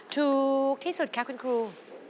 ถูกที่สุดคะคุณครู